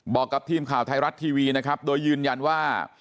บอกกับทีมข่าวไทยรัฐทีวีนะครับโดยยืนยันว่า